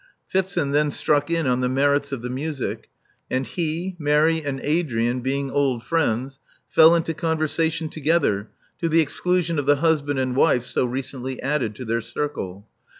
Phipson then struck in on the merits of the music; and he, Mary, and Adrian, being old friends, fell into conversation together, to the exclusion of the husband and wife so recently added to their circle.